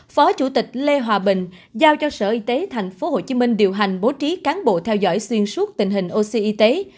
phó chủ tịch lê hòa bình giao cho sở y tế tp hcm điều hành bố trí cán bộ theo dõi xuyên suốt tình hình oxy